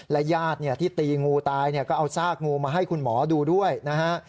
ญาติที่ตีงูตายก็เอาซากงูมาให้คุณหมอดูด้วยนะฮะ